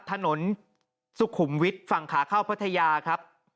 ถนนสุขุมวิทย์ฝั่งขาเข้าพัทยาครับ